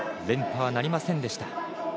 連覇はなりませんでした。